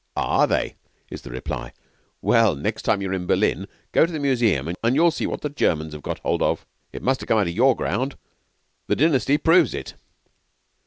'Are they?' is the reply. 'Well, next time you are in Berlin, go to the Museum and you'll see what the Germans have got hold of. It must have come out of your ground. The Dynasty proves it.'